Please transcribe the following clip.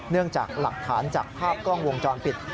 จากหลักฐานจากภาพกล้องวงจรปิด